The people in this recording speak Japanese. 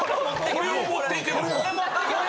・これを持っていけば・これや。